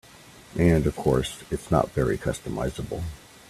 And of course, it's not very customizable.